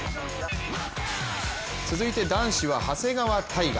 続いて男子は長谷川帝勝。